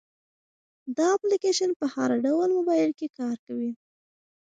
دا اپلیکیشن په هر ډول موبایل کې کار کوي.